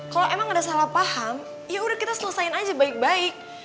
kalau emang ada salah paham yaudah kita selesaikan aja baik baik